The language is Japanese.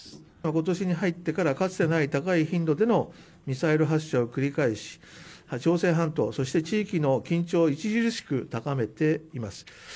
ことしに入ってからかつてない高い頻度でのミサイル発射を繰り返し朝鮮半島そして地域の緊張を著しく高めています。